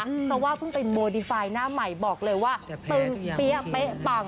เพราะว่าเพิ่งไปโมดีไฟล์หน้าใหม่บอกเลยว่าตึงเปี้ยเป๊ะปัง